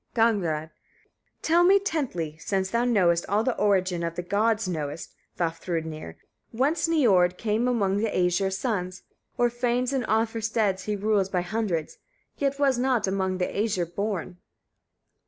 Gagnrâd. 38. Tell me tenthly, since thou all the origin of the gods knowest, Vafthrûdnir! whence Niörd came among the Æsir's sons? O'er fanes and offer steads he rules by hundreds, yet was not among the Æsir born.